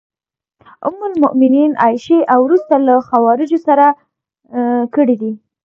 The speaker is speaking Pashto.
ام المومنین عایشې او وروسته له خوارجو سره کړي دي.